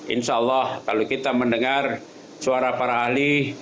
insya allah kalau kita mendengar suara para ahli